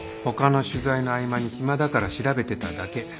他の取材の合間に暇だから調べてただけ。